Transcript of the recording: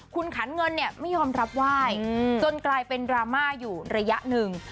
คุณขันเงินเนี่ยไม่ยอมรับไหว้จนกลายเป็นดราม่าอยู่ระยะหนึ่ง